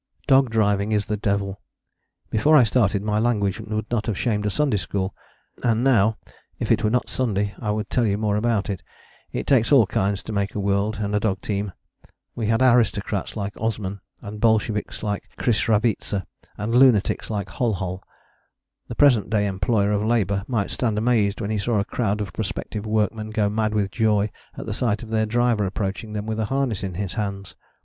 Dog driving is the devil! Before I started, my language would not have shamed a Sunday School, and now if it were not Sunday I would tell you more about it. It takes all kinds to make a world and a dog team. We had aristocrats like Osman, and Bolsheviks like Krisravitza, and lunatics like Hol hol. The present day employer of labour might stand amazed when he saw a crowd of prospective workmen go mad with joy at the sight of their driver approaching them with a harness in his hands.